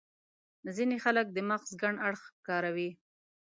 ځينې خلک د مغز کڼ اړخ کاروي.